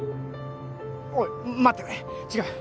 おい待ってくれ違う